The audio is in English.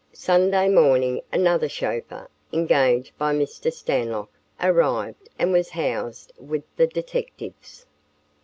Sunday morning another chauffeur, engaged by Mr. Stanlock, arrived and was housed with the detectives.